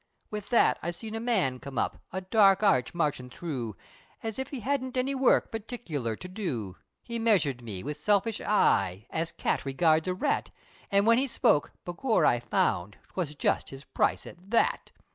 With that, I seen a man, come up, A dark arch, marchin' thro', As if he hadn't any work, Particular to do. He measured me, wid selfish eye, As cat regards a rat, An' whin he spoke, begor I found, 'Twas just his price at that!